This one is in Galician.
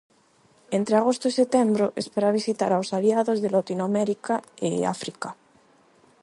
Entre agosto e setembro espera visitar aos aliados de Latinoamérica e África.